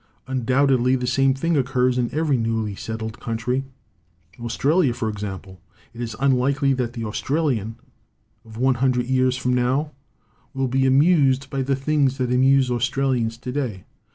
Undoubtedly the same thing occurs in every newly settled country Australia, for example. It is unlikely that the Australian of one hundred years from now will be amused by the things that amuse Australians to day.